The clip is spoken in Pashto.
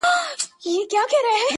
چي بې عزتو را سرتوري کړلې-